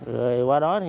rồi qua đó